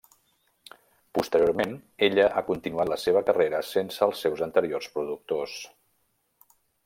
Posteriorment ella ha continuat la seva carrera sense els seus anteriors productors.